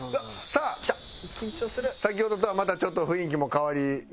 さあ先ほどとはまたちょっと雰囲気も変わりながら。